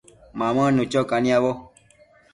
Mamënnu cho caniabo